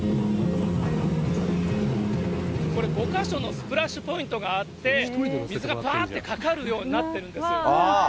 これ、５か所のスプラッシュポイントがあって、水がぱーってかかるようになってるんですよ。